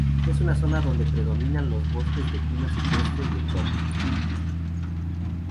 Es una zona donde predominan los bosques de pino silvestre y el Boj.